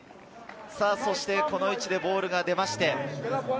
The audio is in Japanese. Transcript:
そしてこの位置でボールが出まして。